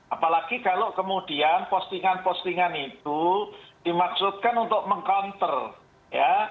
apalagi kalau kemudian postingan postingan itu dimaksudkan untuk meng counter ya